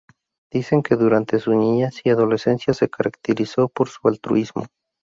Dicen que durante su niñez y adolescencia, se caracterizó por su altruismo.